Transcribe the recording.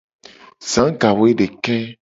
Za gawoedeke.